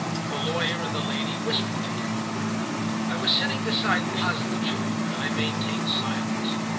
The lawyer and the lady whispered together. I was sitting beside Posdnicheff, and I maintained silence.